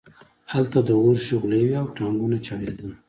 هلته د اور شغلې وې او ټانکونه چاودېدل